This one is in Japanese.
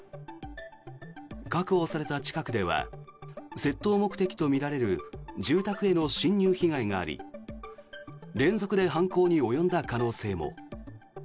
確保された近くでは窃盗目的とみられる住宅への侵入被害があり連続で犯行に及んだ可能性も。